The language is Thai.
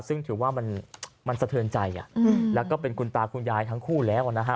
ซึ่งถือว่ามันสะเทือนใจแล้วก็เป็นคุณตาคุณยายทั้งคู่แล้วนะฮะ